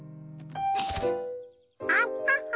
アッハハ。